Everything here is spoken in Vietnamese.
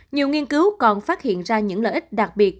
nhiều nghiên cứu còn phát hiện ra những lợi ích đặc biệt